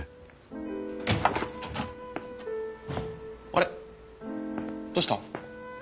あれどうした？